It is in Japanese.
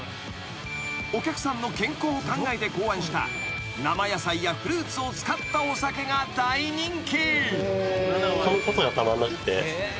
［お客さんの健康を考えて考案した生野菜やフルーツを使ったお酒が大人気］